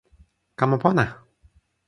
kama pona!